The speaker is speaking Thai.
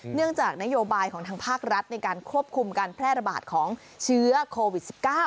เนื่องจากนโยบายของทางภาครัฐในการควบคุมการแพร่ระบาดของเชื้อโควิด๑๙